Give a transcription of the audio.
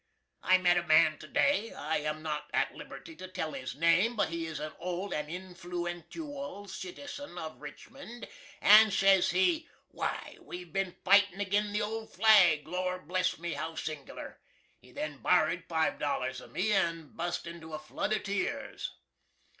I met a man to day I am not at liberty to tell his name, but he is a old and inflooentooial citizen of Richmond, and sez he, "Why! We've bin fightin' agin the Old Flag! Lor' bless me, how sing'lar!" He then borrer'd five dollars of me and bust into a flood of teers.